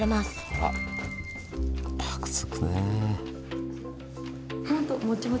あらぱくつくね。